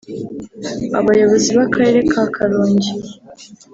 Abayobozi b’akarere ka Karongi